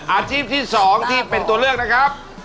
อาชีพที่๒ที่เป็นตัวเลือกนะครับ